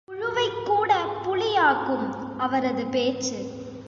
புழுவைக் கூட புலியாக்கும் அவரது பேச்சு.